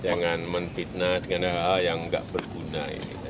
jangan menfitnah dengan yang tidak berguna